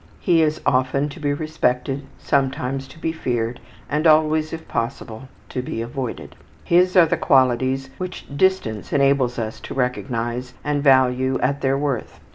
He is often to be respected, sometimes to be feared, and always if possible to be avoided. His are the qualities which distance enables us to recognize and value at their worth.